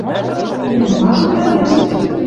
Тӹньӹм ма дон тӓнгӓштет?